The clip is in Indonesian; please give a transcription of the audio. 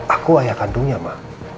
aku ayah kandungnya ma